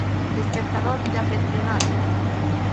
De espectador, de afeccionado.